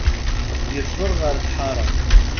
Yeffeɣ ɣer lḥara.